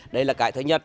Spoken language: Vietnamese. đây là cái thứ nhất